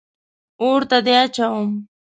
اور ته دې اچوم.